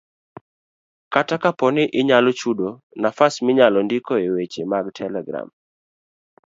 Kata kapo ni inyalo chudo, nafas minyalondikoe weche e mag telegram